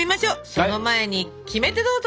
その前にキメテどうぞ！